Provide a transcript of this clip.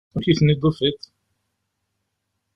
Amek i ten-id-tufiḍ?